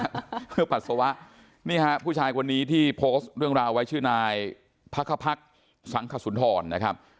เพื่อปัสสาวะนี่ฮะผู้ชายคนนี้ที่โพสต์เรื่องราวไว้ชื่อนายพักขพรรคสังขสุนทรนะครับ